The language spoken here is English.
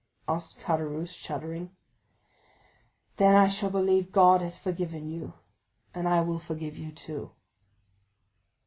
asked Caderousse, shuddering. 40164m "Then I shall believe God has forgiven you, and I will forgive you too."